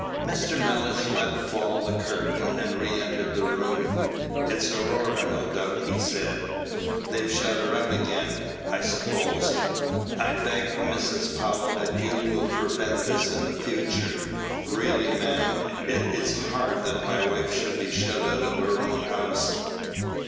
Mr. Mellish let fall the curtain, and re entered the room. "It's Aurora, no doubt," he said; "they've shut her out again, I suppose. I beg, Mrs. Powell, that you will prevent this in future. Really, ma'am, it is hard that my wife should be shut out of her own house."